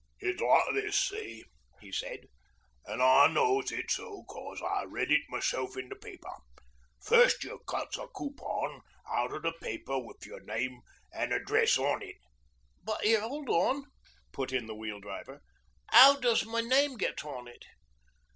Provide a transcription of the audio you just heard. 'It's like this, see,' he said. 'An' I knows it's so 'cos I read it myself in the paper. First you cuts a coo pon out o' the paper wi' your name an' address on it. ...' 'But, 'ere, 'old on,' put in the Wheel Driver. ''Ow does my name get on it?'